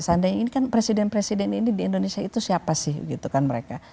seandainya ini kan presiden presiden ini di indonesia itu siapa sih gitu kan mereka